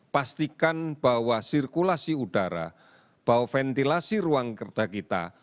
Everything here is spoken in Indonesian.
pastikan bahwa sirkulasi udara bahwa ventilasi ruang kerja kita